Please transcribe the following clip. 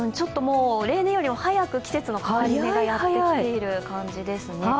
例年よりも早く季節の変わり目がやってきている感じですね。